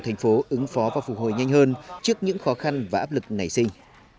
thành phố ứng phó và phục hồi nhanh hơn trước những khó khăn và áp lực nảy sinh